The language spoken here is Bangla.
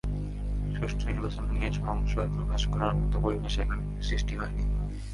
সুষ্ঠু নির্বাচন নিয়ে সংশয় প্রকাশ করার মতো পরিবেশ এখানে সৃষ্টি হয়নি।